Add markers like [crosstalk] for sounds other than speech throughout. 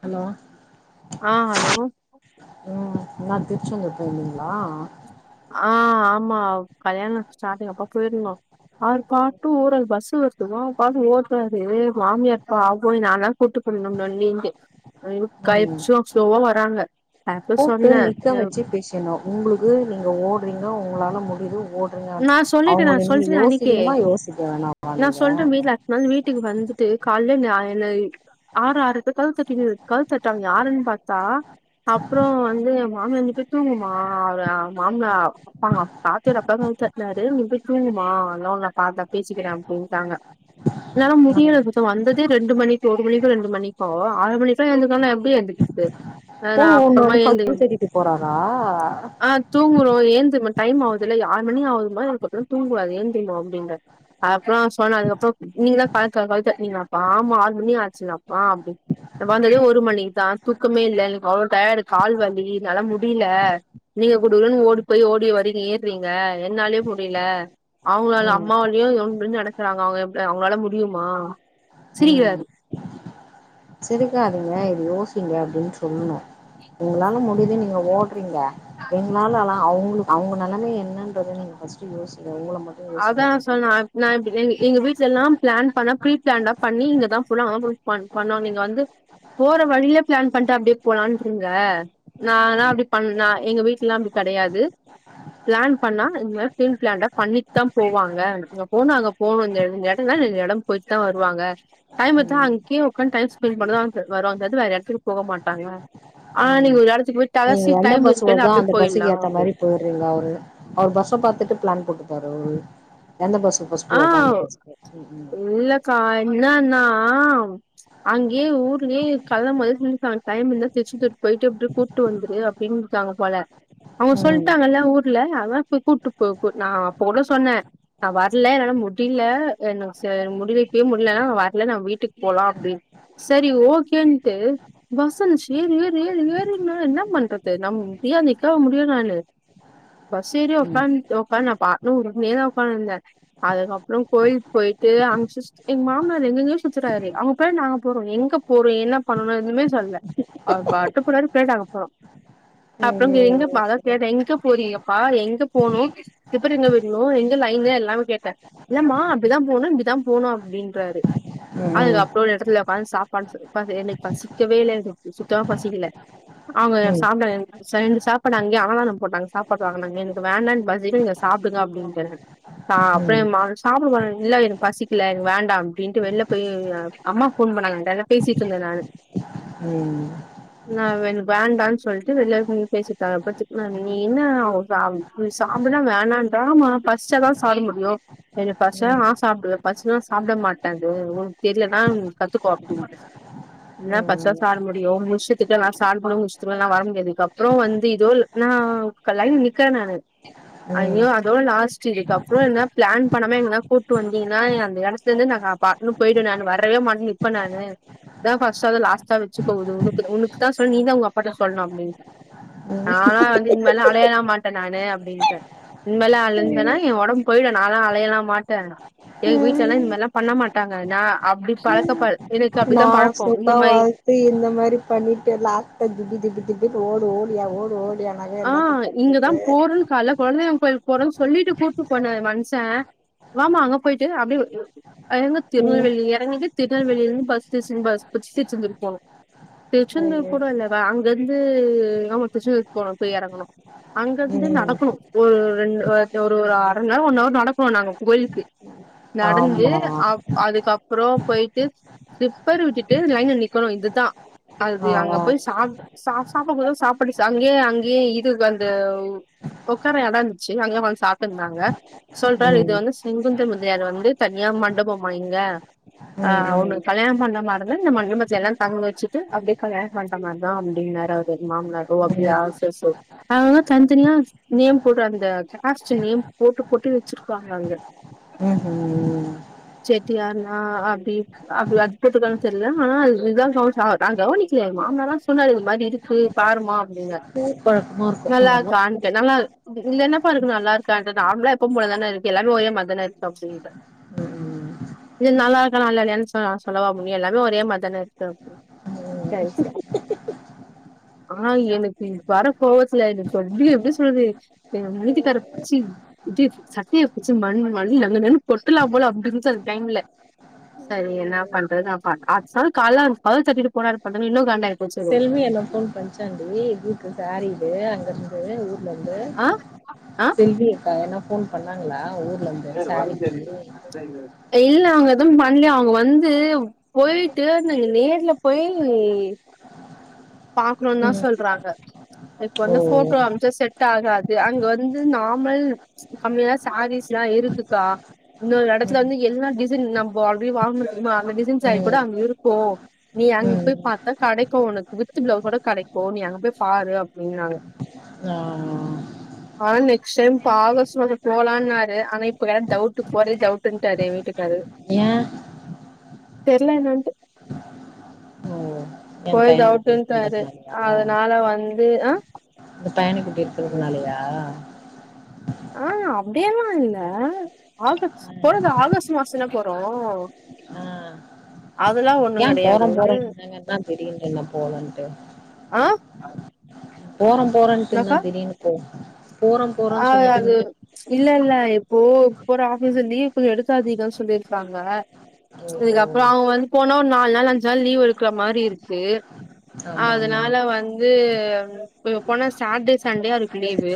Hello ஆ hello ம் என்னா திருச்செந்தூர் போயிருந்தீங்களா ஆ ஆமா கல்யாணோ ஸ்டார்டிங் அப்போ போயிருந்தோ அவரு பாட்டு ஓர்றார் பஸ்சு வருத்துவோ அவர் பாட்டு ஓட்றாரு மாமியார் பாவு போய் நாதா கூட்டு போணு சொல்லி இந்தே அய்யோ கய ம் ஷோக்ஸ்லோவா வராங்க அப்ப சொன்ன என்ன உங்குளுக்கு நீங்க ஓடுறீங்க உங்களால முடியுது ஓடு ஏங்க நா சொல்லிட்டே நா அவுங்கல நீங்க சொல்ட்டே அன்னிக்கே யோசிக்கணுமா யோசிக்க வேணாமா நீங்க ஒநாள் வீட்டுக்கு வந்துட்டு கால்ல நாயனை ஆறு ஆறுக்கா கதவு தட்டினு கதவு தட்றாங்க யாருனு பாத்தா அப்றோ வந்து எ மாமியா வந்து நீ போயி தூங்குமா அவர் மாமனார் அப்பா பாத்திட கதவ தட்டுனாரு நீ போயி தூங்குமா அதல்லா ஒன்னு இல்ல காத பேசிக்கிற அப்டின்ட்டாங்க என்னால ம் முடியல சுத்தமா வந்ததே ரெண்டு மணி ஒரு மணிக்கோ ரெண்டு மணிக்கோ ஆரு மணிசா எந்திரிக்கனுனா எப்டி எந்திருக்கிறது அப்போ ஒன்னு ஒன்னுக்கா கதவு தட்டிட்டு போறாரா தூங்குரோ ஏந்திரிமா டைம் ஆவுதுல்ல ஆரு மணி ஆவுதுமா இதுக்கப்றோ தூங்க கூடாது ஏந்திரிமா அப்டின்றாரு அப்றோ சொன்ன அதுக்கப்புறோ நீங்க தான் கதவ தட்டுனீங்களாப்பா ஆமா ஆறு மணி ஆச்சுளப்பா அப்டி நா வந்ததே ஒரு மணிக்கு தா தூக்கமே இல்ல எனக்கு அவ்ளோ டயார்டு கால் வலி என்னால முடில நீங்க குடு குடுனு ஓடி போய் ஓடி வரீங்க எர் றீங்க என்னாலயும் முடியல அவுங்களாலு ம் அம்மாவாலயு எவ்ளோ தூரோ நட க்றாங்க அவுங்க அவுங்களால முடியுமா சிரிக்கிறாரு சிரிக்காதிங்க இது யோசிங்க அப்டின்னு சொல்லனு எங்களால மு விட்டுட்டு நீங்க ஓடுறீங்க எங்களாலலா அவுங்குளு அவுங்க நெலமய என்னென்றத நீங்க ஃபஸ்ட்டு யோசிங்க உங்கள மட் அதா‌ சொன்ன நா எப் நா எப் எங் எங்க வீட்ல எல்லா பிளான் பண்ணா ப்ரி பிளான்டா பண்ணி இங்கதா ஃபுல்லா ஆனோன்ஸ்மண்ட் பண்ணனு இங்க வந்து போற வழிலே பிளான் பண்ட்டு அப்டியே போலான்றீங்க நாலா அப்டி பண்ணனா எங்க வீட்லெல்லா அப்டி கிடையாது பிளான் பண்ணா அதுக் முன்னாடி ப்ரீ பிளான்டா பண்ணி ட்தா போவாங்க இங்க போனு அங்க போனு இந்த இந்த எடத்துக்குனா இந்த எடம் போயிட்டு தா வருவாங்க டைமுத்தா ம் ம் அங் கீழ் உக்காந்து டைம் ஸ்பெண்ட் பண்ணிதா வருவாங்க அங்க இருந்து வேற எடத்துக்கு போக மாட்டாங்க ஆ ம் நீங்க ஒரு எடத்துக்கு போயி நீங்க எந்த பஸ் வருதோ அந்த பஸ்ஸுக்கு ஏத்த மாரி அப்டின்னு போயிறீங்க அவரு அவர் பஸ்ஸ பாத்துட்டு பிளான் போட்டுப்பாரு அவுரு எந்த பஸ் ஃபர்ஸ்ட்டு வருதோ அந்த பஸ்லே ம் ம் கா என்னானா அங்கயே ஊர்லியே கெலம்போதே சொல்ட்டோ டைம் இருந்தா திருச்செந்தூர் போயிட்டு அப்டியே கூட் விட்டு வந்துரு அப்டின்டாங்க போல அவுங்க ம் ம் சொல்ட்டாங்கல்ல ஊர்ல அதா போய் கூட்டு போய் நா அப்போ கூட சொன்னே நா வர்ல இல்ல என்னாலா முடில எனக்கு ச முடில இப்பயே முட்லன்னா வரல நம்ம வீட்டுக்கு போலா அப்டின்னு சரி ஓகேன்ட்டு பஸ் வந்துச்சு ஏறு ஏறு ஏறு நா என்ன பண்றது நம்ம இப்டியா நிக்கவா முடியு நானு பஸ் ஏறி ம் உக்காந்து உக்காட்ந்து நா பாட்னு உர்ருனேநே தா உக்காந்ருந்தே அதுக்கப்ரோ கோயில் பொய்ட்டு அங்க சிஸ் எங்க மாமானார் எங்க எங்கயோ சுத்துராரு அவுங்க பின்னாடி நாங்க போறோ எங்க போறோ என்ன பண்ணணுனு எதுமே சொல்லல அவரு பாட்டு போனாரு பின்னாடி நாங்க போறோ அப்ரோ ஐயோ எங்கப்பா அத சரி கேட்ட எங்க போறீங்கப்பா எங்க போணு ஸ்லிப்பர் எங்க விட்ணு எங்க லைன்ல எல்லாமே ட்ட இல்லம்மா அப்டிதா போணு இப்டிதா போணு அப்டின்றாரு ம் அதுக்கப்ரோ ஒரு எடத்துல உக்காந்து சாப்பட்லானு சொல்றப்ப எனக்கு பசிக்கவே இல்ல எனக்கு சுத்தமா பசிக்ல அவுங்க ம் ம் சாப்ட சேந்து சாப்பாடு அங்கே அன்னதானோ போட்டாங்க சாப்பாடு வாங்குனாங்க எனக்கு வேனான்னு பசிக்ல நீங்க சாப்டுங்க அப்டின்டே தா ம் அப்ரோ சாப்பிட போலா இல்ல எனக்கு பசிக்கல எனக்கு வேண்டா அப்டின்ட்டு வெளில போய் அம்மா போன் பண்ணாங்க அதான்ட பேசி இருந்தே நானு ம் நா எனக்கு வேண்டானு சொல்ட்டு வெளியே வந்து பேசிட்டாங்க அப்ப திட்னாங்க நீ என்ன அவுங்க சாப்டுனா வேணான்ற பசிச்சா தா சாப்ட முடியு எனக்கு பஸ்ச்சா நா சாப்டுவே பஸிக்னா சாப்ட மாட்டே அது ஒனக்கு தெர்லனா கத்துக்கோ அப்டின்னா என்ன பஸ்சா சாப்ட முடியு உங்க இஷ்டத்துக்லா நா சாப்ட்னு உங்க இஷ்டத்துக்லா என்னால வர முடியாது அப்ரோ வந்து இதோட நா லைன்ல நிக்ற நானு ம் ஐயோ ம் இதோட லாஸ்ட் இதுக்கு அப்ரோ என்ன பிளான் பண்ணாம எங்கன கூட்டு வந்தீங்கன்னா அந்த எடத்துல இருந்து நா பாட்னு பொய்ருவ நானு வரவே மாட்டே நிப்ப நானு இத ஃபர்ஸ்ட் அன் லாஸ்டா வச்சுகோ இது உனக்தா உனக்கு தா நா சொல்ற நீதா உங்க அப்பாட்ட சொல்லணு அப்டின்ட்ட நா வந் வந்து இனிமேல அலையலா மாட்ட நானு அப்டின்ட இனி மேல அழஞ்சேன்னா ம் எ ஒடம்பு பொய்டு அப்டின்ட்ட நாலா அலையலா மாட்டே எங்க வீட்லல்லா இந்த ம் மாரில்லா பண்ண மாட்டாங்க நா அப்டி பழக்க படுத் எனக்கு அப்டித்தா பழக்கோ இந்த மாரி இப்ப இந்த மாரி பண்ணிட்டு லாஸ்ட் டைம் திபு திபு திபுனு ஓடு ஓடியா ஓடு ஓடியா ஆ இங்கதா போறன்னு கால்ல கொழ தெய்வோ கோயில் போறன்னு சொல்லிட்டு கூட்டிட்டு போனாரு மனுஷே வாமா அங்க பொய்ட்டு அப்டி எங்க ம் திருநல்வேலி எறங்கிட்டு திருநல்வேலில இருந்து பஸ் [unintelligible] பஸ் புடிச்சிட்டு திரும்ப திருச்சந்துர் போனோ திருச்சந்துர் ஐயோ கூட இல்ல அங்கருந்து ஆமா திருச்சந்துர் போணோ போய் எறங்குனோ அங்கருந்து ம் நடக்கணு ஒரு ரெண்டு ஒரு அரைமண் நேரோ ஒன்ன அவர் நடக்கணு நாங்க கோயிலுக்கு நடந்து ஆமா அப் அதுக்கப்ரோ பெய்ட்டு ஸ்லிப்பர் விட்டுட்டு லைன்ல நிக்கணு இதுதா அது ஆ அங்க போய் சாப் சாப்டகுடாது சாப்பாடு சா இங்கயே அங்கியே இது வந்து உக்கார எடோ இருந்துச்சு அங்க வந்து சாப்ட்டு இருந்தாங்க சொல்றாரு இது ம் வந்து செங்குந்த முதியலார் வந்து தனியா மண்டபமா இங்க ஆ ம் ம் உன்ன கல்யாணம் பண்ணாமருந்த இந்த மண்ட பத்லல்லா தங்க வச்சுட்டு அப்டியே போர பண்ற மாரி தா அப்டின்னாரு அவரு எங்க மாமனாரு ஓ அப்டியா ம் சேர்சேரி அவுங்க அவுங்க தனி தனியா நேம் போட்டு அந்த கேகாஸ்டடியும் நேம் போட்டு போட்டு வச்சிருவாங்க அங்க ம் ம் செட்டியார்னா அப்டி அப்ப அது போட்ருக்கானு தெர்ல ஆனா இதா கவன்ச்சா நா கவனிக்லையே எங்க மாமனாரு சொன்னாரு இது மாரி இருக் கு பாருமா அப்டின்னாரு ஊர் பழக்கம்மா இருக்கு அதுலா போ இதுல்ல எனப்பா இருக்கு நல்லா இருக்க அத நார்மலா எப்போம் போலதான இருக்கு எல்லாமே ஒரே மார்தான இருக்க அப்டின்ட்ட ம் இது நல்லா இருக்கா நல்லா இல்லையன்னு சொ நா சொல்லவா முடியு எல்லாமே ஒரே மாதிரிதான இருக்கு ம் எட்டாய்ச்சா ஆ எனக்கு இன்னிக்கி வர கோவத்துல எனக்கு அப்டியே எப்டி சொல்றது ஏ வீட்டுகார பிச்சி இது சட்டைய பிச்சு மண் மண்ண நாங் நங்ன்னு கொட்டலா போல அப்பிடி இருன்ச்சி அந்த டைமுல சேரி என்ன பண்றது நா க ஆக்சுல் கால்ல கதவசாதினு போனாரு பட்டுனு இன்னு காண்டாய்ச் செல்வி எனக் ஃபோன் பண்ச்சாண்டி வீட்டு சாரீடு அங்க இருந்து ஊர்ல இருந்து ஆ ஆ செல்வி அக்கா என்னா ஃபோன் பண்ணாங்களா ஊர்ல இந்து சாரீக்கு இல்ல அவங்க எதுவு பண்ணலயா அவங்க வந்து போயிட்டு நீ நேர்ல போய் நீ பாக்கணுதா ம் சொல்றாங்க இப்ப ஓ வந்து ஃபோட்டோ அமுச்சா செட் ஆகாது அங்க வந்து நாமல் கம்மியா தான் சாரீஸ்ல்லா இருக்குக்கா இன்னொரு இடத்துல ம் வந்து எல்லா டிசைன் நம்ப ஆல்ரெடி வாங்க முடியுமா அந்த டிசைன் சாரீ கூட ம் அங்க இருக்கு நீ அங்க போய் ம் பாத்தா கடைக்கு உனக்கு வி வித்து பிளவுஸ்சோட கெடைக்கு நீ அங்க போய் பாரு அப்டின்னாங்க ஆ ஆனா நெக்ஸ் டைம்ப்பா ஆகஸ்ட் வத போலாம்னாரு ஆனா இப்ப வேற டவுட் போறே டவுட்டுன்டாரு எ வீட்டுக்காறரு ஏன் தெர்ல என்னான்ட்டு என் பையன்க்கு டியூ க்காரு அதனால வந்து அ அந்த பையனு இப்டி இருக்கிறதுனாலையா ஆ அப்டியெல்லா இல்ல ஆகஸ் ஆ போறது ஆகஸ்ட் மாசோனா போறோ ஆ அதெல்லா ஒ ஏ போறோ போறோ என்னங்கதா தெரியிலல போலன்ட்டு ஆ போறோ போறோன்ட்டு இருந்த என்னக்கா திடீருனு போ போறோம் ஆ போறோன்னு சொல்லிட்டு அது நின்னு இல்ல இல்ல இப்போ போற ஆபீஸ்ல்ல லீவ் கொஞ்சோ எடுக்காதீங்க சொல்லிருக்காங்க ஓஹோ இதுக்கு அப்றோ அவங்க வந்து போனா ஒரு நாலு நாள் அஞ்சு நாள் லீவ் எடுக்கிற மாரி இருக்கு ஆமா ஆமா அதனால வந்து இப் போனா சாட்டர்டே சண்டே அவருக்கு லீவு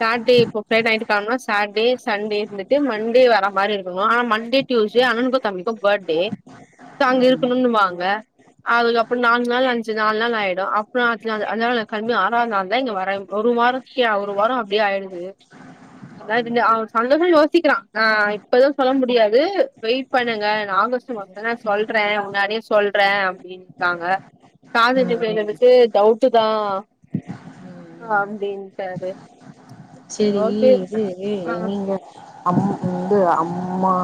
சாட்டே இப்போ ஃப்ரை நைட் தங்குனோ சாட்டே சண்டே இருந்துட்டு மண்டே வர மாரி இருக்கணு ஆ மண்டே டியூஸ்டே அண்ணனுக்கு தம்பிக்கு பர்த்டே சோ அங்க ஆமா இருக்குணுன்வாங்க அதுக்கு அப்றோ நாலு நாள் அஞ்சு நாலு நாள் ஆயிடு அப்றோ அடுத்து நாளு அதனால கல்மி ஆறது நாள்தா இங்க வர ஒரு வாரத்துக்கே ஒரு வாரோ அப்டியே ஆய்டுது அ [unintelligible] சந்தோஷ யோசிக்கறா ஆ இப்பதா சொல்ல முடியாது வெயிட் பண்ணுங்க நாங்க [unintelligible] நா சொல்றே முன்னாடியே சொல்றே அப்டின்டாங்க காலேஜ் ம் ம் [unintelligible] டவுட்டுதா ம் அன்பிடின்ட்டாரு சேரி இது ஏ ஆ நீங்க அம் ம் வந்து அம்மா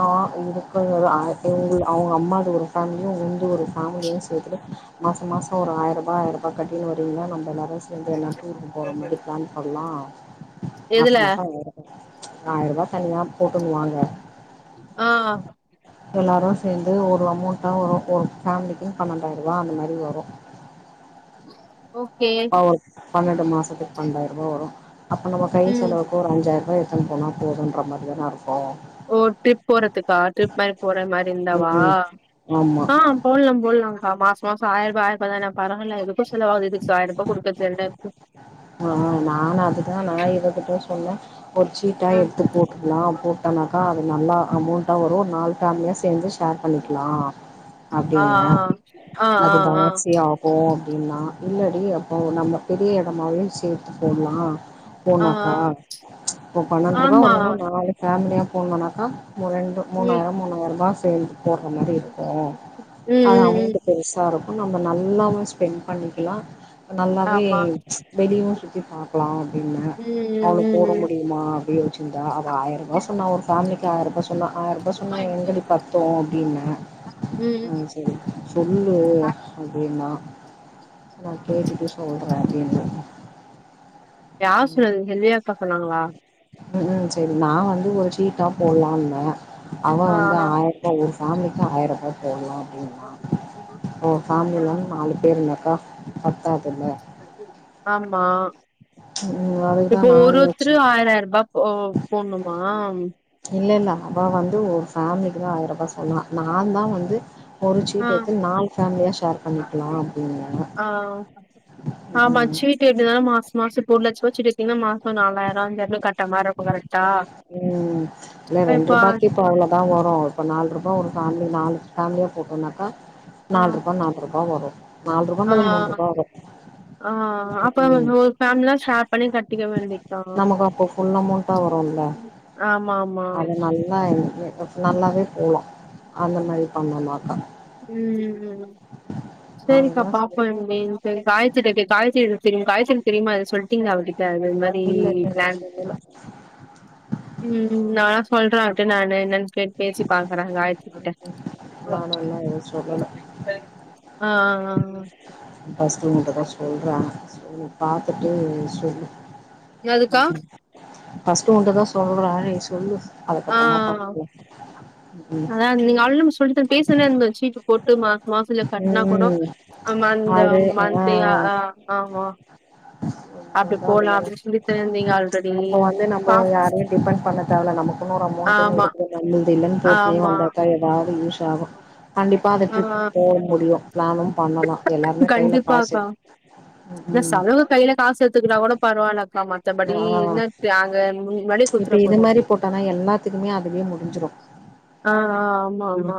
இருக்க அது இங்க அம்மாது ஒரு வாங்கியு ரெண்டுதுரு வாங்கியு சேத்துட்டு மாசோ மாசோ ஒரு ஆயரூவா ஆயிரரூவா கட்டின்னு வரீங்களா நம்மளால்ல சேந்து எல்லா டூருக்கு போற மாரி பிளான் பண்லா மாசோ எதுல மாசோ ஓ ஆயரூபா தனியா போட்டுன்னு வாங்க ஆ எல்லாரு சேந்து ஒரு அமௌண்டா ஒரு ஒரு ஃபேமிலிக்கின் பன்னெடாயிரரூவா அந்த மாரி வரு ஓக் ஓ க் பண்னெண்டு மாசத்துக்கு பண்னெண்டாயிரோ ரூபா வரு அப்போ நம்ம கை ம் செலவுக்கு ஒரு அஞ்சாயிரூவா எடுத்துட் போனா போதுன்ற மாரி தானே இருக்கு ஓ ட்ரிப் போறதுக்கா டரிப் மாறி போற மாறி ம் இருந்தாவா ம் ஆமா ஆ போட்லா போட்லாங்கா மாசமாசோ ஆயிரோ ரூபா ஆயிரரூபா தான பரவால்ல எதுக்கோ செலவாகுது இதுக் ஆயிர ரூபா குடுக்கரதுக் என்ன ப்ப ஆ ஆ நானு அதுக்குதா நா இதகிட்டயு சொன்னே ஒரு சீட்டா எடுத்து போ க்கலா போட்டோனாக்கா அது நல்லா அமௌண்டா வரு நாலு ஃபேமிலியா சேந்து ஷேர் பண்ணிகலா ஆ அப்டின்ன ஆ ஆ அதுக்கு ஆ ஆ அவசியோ போவோ அப்டினா இல்லடி அப்போ நம்ம பெரிய எடமாவு சேத்து போட்லா ஆ போனாக்கா ஆ ஒரு பன்னெண்டு ரூபாய் ஆமா வருதுன்னா நாளு ஃபேமிலியா போனோனாக்கா ரெண்டு மூணாயிரம் மூணாயிரூபா சேரு போடற ம் மாரி இருக்கு ம் ஆனா ம் அமௌண்ட் ம் ம் பெருசு சாருக்கு நம்ம நல்லாவே ஸ்பெண்ட் பண்ணிக்கலா நல்லாவே ஆமா வெளியோவு சுத்தி பாக்கலா அப்டின்னு ம் அவனுக்கு ம் போட ம் முடியுமா அப்டின் வச்சிக்கிட்ட அவ ஆயிரூபா சொன்னா ஒரு ஃபேமிலிக்கி ஆயரூபா சொன்னா ஆயரூபா சொன்னா எங்கடி பத்து அப்டின்ன ம் செரி சொல்லு அப்டினா நா கேட்டுட்டு சொல்றே நா அப்டின்ன யார் சொன்னது செல்வியக்கா சொன்னாங்களா ம் ஹும் சேரி நா வந்து ஒரு சீட்டா போல்லான்ன அவ ஆ வந்து ஆய ரூபா ஒரு ஃபேமிலிக்கு ஆய ரூபா போட்லா அப்டின்னா ஓ ஆ ஃபேமிலில நாலு பேர் இல்லக்கா ஆமா ம். அதுக்கு இப்போ தான் ஒரு நான் ஒருத்தரு யோசிச்சேன். ஆயிராய ரூபா போ போன்ணுமா இல்லல்ல அவ வந்து ஒரு ஃபேமிலிக்கி தா ஆயரூபா சொன்னா நாதா வந்து ஒரு ஆ சீட் எடுத்து நாலு ஃபேமிலியா ஷேர் பண்ணிக்லா அப்டினாங்க ஆ ஆமா சீட் டு கட்னாதா மாச மாசோ ஒரு லட்சரூவா சீட் எடுத்தீங்னா மாசோ ஒரு நாலாயிரோ அஞ்சாயிரோ கட்ட மாரிருக்கோ கரெக்டா ம் இல்ல ரெண்டு ரூபாக்கே இப்ப அவ்ளோ தா வரு இப்போ நால்ட்ரூபா ஒரு ஃபேமிலி நாலு ஃபேமியா போட்டோனாக்கா ஆ நால்ட்ரூபா நால்ட்ரூபா வரு நால்ட் ரூபான்றது மூன்ட்ரூபா வரு ஆ ஆ அப்றோ வந்து ஒரு ஃபேமிலினா‌ ஷே அர் பண்ணி கட்டிக்க வேண்டியத்தா நமக்கு அப்போ ஃபுல் அஆ ஆமா ஆம் அவ நல்லா [unintelligible] நல்லாவே போலா அந்த மாரி பண்ணோனாக்கா ம் [inaudible] சேரிக்கா சரி பாப்போ என்னன்ட்டு காயத்ரிக்கு தெரியு காயத்ரிக்கு தெரியுங்ளா இத சொல்ட்டீங்ளா அவகிட் ட இது மாறி இல்ல இன்னு ப்ளன் இல்ல ம் ந சொல்ற அவட்ட நானு என்னன்னு கேட் பேசி பாக்குற காயத்ரி கிட்ட நாணல்ல ஆ ஆ ஆ ஃபஸ்டு உன்டதா சொல்ற சேரி பாத்துட்டு சொல்லு ஆ ம் அதுக்கா ம் ஃபஸ்ட்டு உன்ட்ட தா சொல்ற நீ சொல்லு ஆ அதுக்கப்புறமா பாத்துக்கலா அதா நீங்க ஆல்ரேடி நம்ம சொல்ட்டோ பேசனே இருந்துச்சு போட்டு மாச மாசத்ல கட்னா ம் கூடோ ம் நம்ம அந்த மந்த்து ஆ ஆ ஆமா அப்டி அதா அந்த போலா மாரி அப்டின் சொல்லிட்டு நீங்க ஆல்ரெடி பா ஓப்பன் பண்ண தேவல நமக்குன்னு ஒரு அமௌண்ட் இருக்கு இல்ன்னு போட்டுனே ஆமா வந்தாக்கா ஏதாவது யூஸ் ஆகு கண்டிப்பா அந்த ஆ ட்ரிப்பு போ முடியு ப்ளனு பண்ணலா எல்லாருமே கைல காசு எ ம் சலக கையில காசு எடுத்துக்டா கூட பரவாலக்கா ஆ மத்தபடி என்ன அங்க முன்னாடி இப்ப குத்துற இது போறோ மாரி போட்டனா எல்லாத்துக்குமே அதுவே முடிஞ்சிரு ஆ ஆ ஆமா ஆமா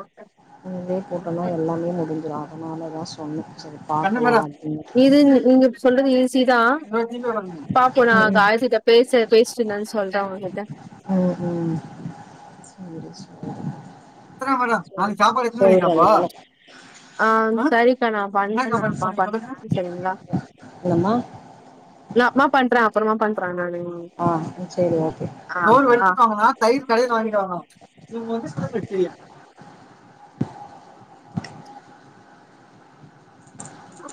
இதுவே போட்டோனா எல்லாமே முடிஞ்சிரு அதனாலதா சொன்ன சரி பாக்கலா அப்டின்னு இது நீங்க சொல்றது ஈசீதா பாப்போ நா காயத்துட்ட பேச பேசுட்டு என்னனு சொல்ற உங்ககிட்ட ம் ம் சேரி சேரி சேரி சொல்றே நானு ஆ சரி தா நா பண்ண பண்ணதா சரிங்களா என்னமா நா அப்மா பண்ற அப்றமா பண்ற நானு ஆ ம் சேரி ஓகே பாய் ஆ ஆ தயிர் கடைல வாங்கிட்டு வரணு நீங்க வந்து குடும்ங்க [unintelligible] செய்ய ஆ